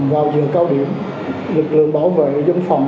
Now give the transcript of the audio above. vào giờ cao điểm lực lượng bảo vệ dân phòng